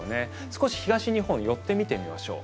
少し東日本に寄って見てみましょう。